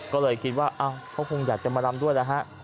ก็เลยคิดว่าเขาคงอยากจะมารำด้วยนะฮะ